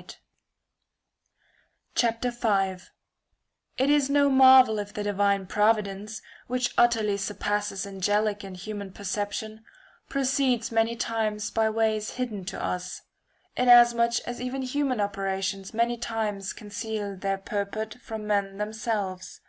] Heaven It is no marvel if the divine providence, which and earth utterly surpasses angelic and human perception, proceeds many times by ways hidden to us ; in [a. asmuch as even human operations many times conceal their purport from men themselves.